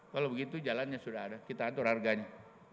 kalau begitu jalannya sudah ada kita atur harganya